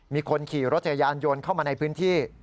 มีคนขี่รถจักรยานยนต์เข้ามาในพื้นที่